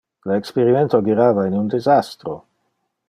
Le experimento girava in un disastro.